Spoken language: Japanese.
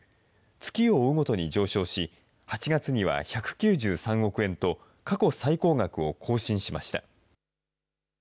月を追うごとに上昇し、８月には１９３億円と、過去最高額を更新しました。